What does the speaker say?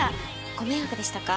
ご迷惑でしたか？